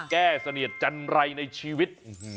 เสนียดจันไรในชีวิต